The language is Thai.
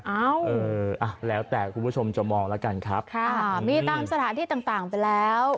เอออ่ะแล้วแต่คุณผู้ชมจะมองแล้วกันครับค่ะมีตามสถานที่ต่างไปแล้ว